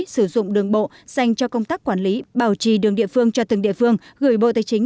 sử dụng đường bộ dành cho công tác quản lý bảo trì đường địa phương cho từng địa phương gửi bộ tài chính